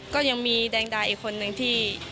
ก็ยังมีแดงดาอีกคนนึงที่